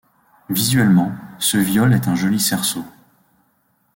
Visuellement, ce viol est un joli cerceau.